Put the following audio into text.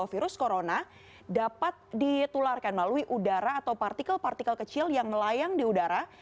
jadi bahwa virus corona dapat ditularkan melalui udara atau partikel partikel kecil yang melayang di udara